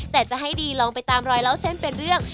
แต่จะให้ดีลองไปตามรอยเล่าเส้นเป็นเรื่อง